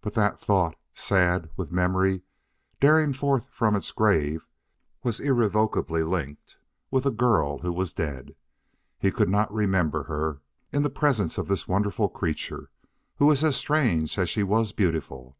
But that thought, sad with memory daring forth from its grave, was irrevocably linked with a girl who was dead. He could not remember her, in the presence of this wonderful creature who was as strange as she was beautiful.